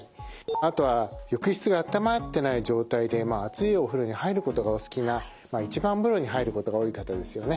あとは浴室が暖まってない状態でまあ熱いお風呂に入ることがお好きな一番風呂に入ることが多い方ですよね。